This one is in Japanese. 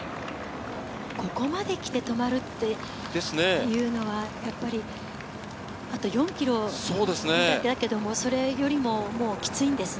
ここまで来て止まるっていうのは、あと４ｋｍだけれども、それよりも、もうきついんですね。